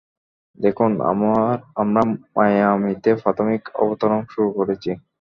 দেখুন, আমরা মায়ামিতে প্রাথমিক অবতরণ শুরু করেছি।